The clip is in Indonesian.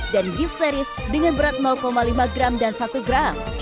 gift series dengan berat lima gram dan satu gram